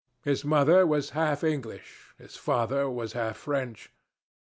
His mother was half English, his father was half French.